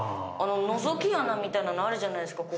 のぞき穴みたいなのあるじゃないですか